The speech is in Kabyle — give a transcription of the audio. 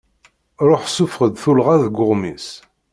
Ruḥ sufeɣ-d tullɣa deg uɣmis.